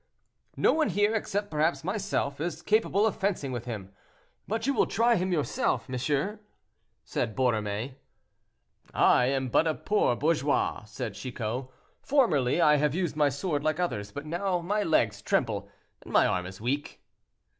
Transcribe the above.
"No one here, except perhaps myself, is capable of fencing with him; but will you try him yourself, monsieur?" said Borromée. "I am but a poor bourgeois," said Chicot; "formerly I have used my sword like others, but now my legs tremble and my arm is weak."